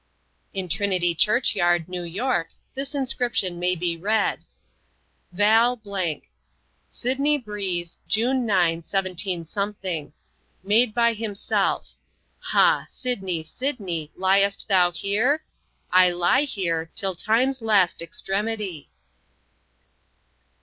In Trinity church yard, New York, this inscription may be read: "Val. Sidney Breese. June 9 17 . Made by himself. Ha! Sidney, Sidney Liest thou here? I lye here Till Times last Extremity."